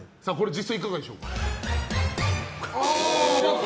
実際、いかがでしょうか？